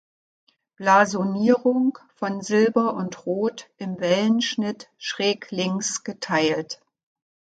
Blasonierung: „Von Silber und Rot im Wellenschnitt schräglinks geteilt.